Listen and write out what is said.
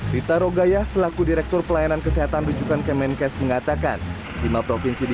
rita rogayah selaku direktur pelayanan kesehatan rujukan kemenkes mengatakan lima provinsi di